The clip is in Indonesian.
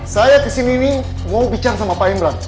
saya kesini nih mau bicara sama pak imran